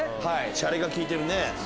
シャレが効いてるね。